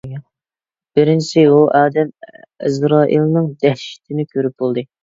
بىرىنچىسى ئۇ ئادەم ئەزرائىلنىڭ دەھشىتىنى كۆرۈپ بولدى.